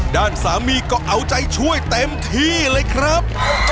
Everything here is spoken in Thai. ด้านสามีก็เอาใจช่วยเต็มที่เลยครับ